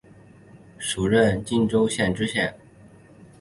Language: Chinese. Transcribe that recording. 署任江苏荆溪县知县。